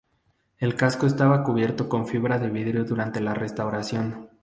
El casco estaba cubierto con fibra de vidrio durante la restauración.